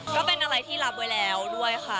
ก็เป็นอะไรที่รับไว้แล้วด้วยค่ะ